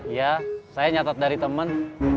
iya saya nyatat dari teman